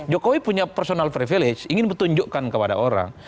jokowi punya personal privilege ingin menunjukkan kepada orang